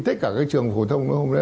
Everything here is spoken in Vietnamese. tất cả các trường phổ thông